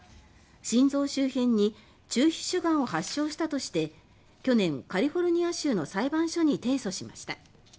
心臓周辺に中皮腫がんを発症したとして去年、カリフォルニア州の裁判所に提訴しました。